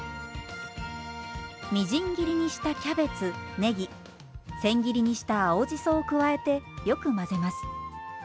みじん切りにしたキャベツねぎ千切りにした青じそを加えてよく混ぜます。